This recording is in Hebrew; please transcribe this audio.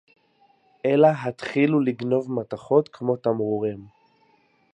אלא התחילו לגנוב מתכות כמו תמרורים